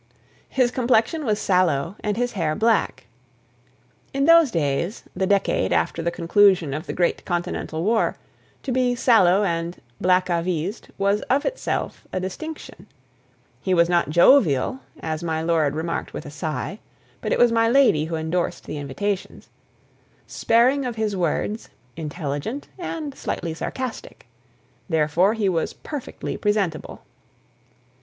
His complexion was sallow, and his hair black; in those days, the decade after the conclusion of the great continental war, to be sallow and black a vised was of itself a distinction; he was not jovial (as my lord remarked with a sigh, but it was my lady who endorsed the invitations), sparing of his words, intelligent, and slightly sarcastic. Therefore he was perfectly presentable.